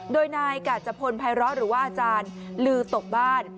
โดยนายกาจพลภัยร้อหรือว่าอาจารย์ลือตกบ้าน